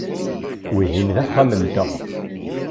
Wihin d axxam-nteɣ.